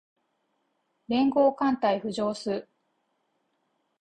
連合艦隊浮上す